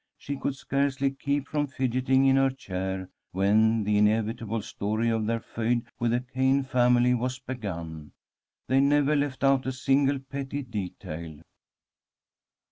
She could scarcely keep from fidgeting in her chair when the inevitable story of their feud with the Cayn family was begun. They never left out a single petty detail.